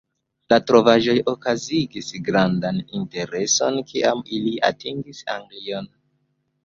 La trovaĵoj okazigis grandan intereson kiam ili atingis Anglion.